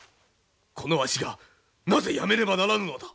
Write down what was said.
このわしがなぜ辞めねばならぬのだ？